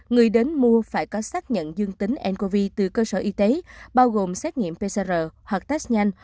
người đến mua phải có xác nhận dương tính ncov từ cơ sở y tế bao gồm xét nghiệm pcr hoặc test nhanh